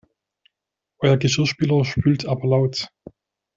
Euer Geschirrspüler spült aber laut!